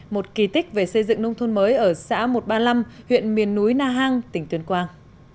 một kỳ tích về xây dựng nông thôn mới ở xã một trăm ba mươi năm huyện miền núi na hàng tỉnh tuyên quang